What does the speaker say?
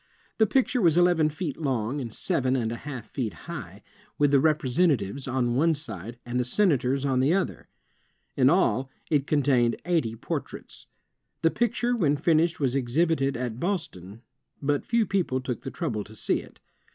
The picture was eleven feet long and seven and a half feet high, with the Representatives on one side, and the Senators on the other. In all, it contained eighty portraits. The picture when finished was exhibited at Boston, but few people took the trouble to see it.